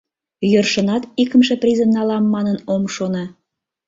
— Йӧршынат икымше призым налам манын ом шоно.